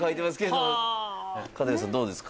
どうですか？